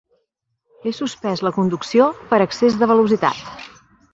He suspès la conducció per excés de velocitat.